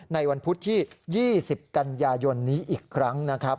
ในวันพุธที่๒๐กันยายนนี้อีกครั้งนะครับ